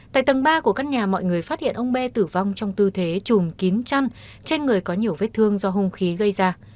tại tầng ba của căn nhà mọi người phát hiện ông bê tử vong trong tư thế chùm kín chăn trên người có nhiều vết thương do hung khí gây ra